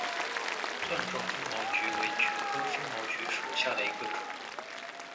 钻状风毛菊为菊科风毛菊属下的一个种。